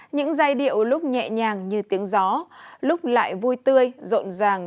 những giai điệu lúc nhẹ nhàng như tiếng gió lúc lại vui tươi rộn ràng